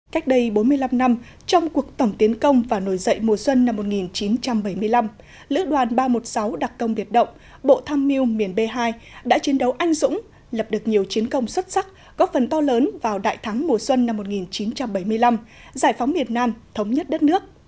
cách đây bốn mươi năm năm trong cuộc tổng tiến công và nổi dậy mùa xuân năm một nghìn chín trăm bảy mươi năm lữ đoàn ba trăm một mươi sáu đặc công biệt động bộ tham mưu miền b hai đã chiến đấu anh dũng lập được nhiều chiến công xuất sắc góp phần to lớn vào đại thắng mùa xuân năm một nghìn chín trăm bảy mươi năm giải phóng miền nam thống nhất đất nước